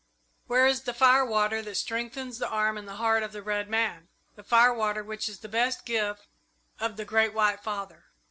Where is the firewater that strengthens the arm and the heart of the red man the firewater which is the best gift of the Great White Father?